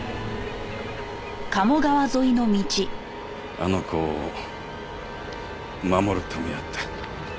あの子を守るためやった。